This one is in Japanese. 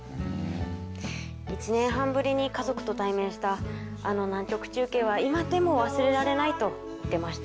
１年半ぶりに家族と対面したあの南極中継は今でも忘れられないと言ってました。